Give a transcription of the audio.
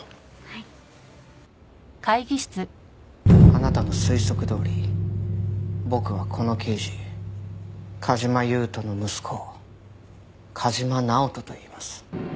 あなたの推測どおり僕はこの刑事梶間優人の息子梶間直人といいます。